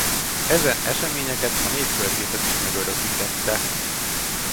Ezen eseményeket a népköltészet is megörökítette.